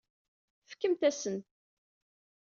Fkemt-as-ten.